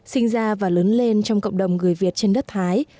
sinh ra và lớn lên trong cộng đồng người việt trên đất thái